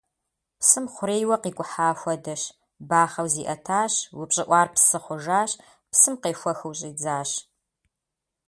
Псым хъурейуэ къикӀухьа хуэдэщ: бахъэу зиӀэтащ, упщӀыӀуар псы хъужащ, псым къехуэхыу щӀидзащ.